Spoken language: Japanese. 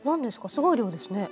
すごい量ですね。